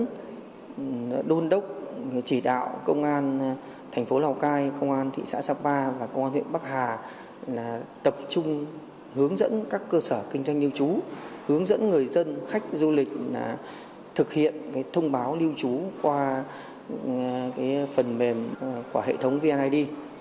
chúng tôi đã đôn đốc chỉ đạo công an thành phố lào cai công an thị xã sạc ba và công an huyện bắc hà tập trung hướng dẫn các cơ sở kinh doanh lưu trú hướng dẫn người dân khách du lịch thực hiện thông báo lưu trú qua phần mềm của hệ thống vnid